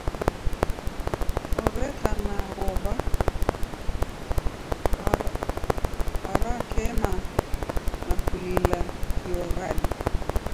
Oreka na w'ow'a warakema na kulila kioghadi.